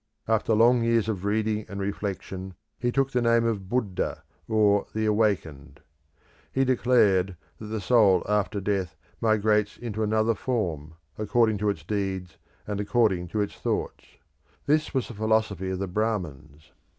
After long years of reading and reflection he took the name of Buddha, or "the Awakened." He declared that the soul after death migrates into another form, according to its deeds and according to its thoughts. This was the philosophy of the Brahmins.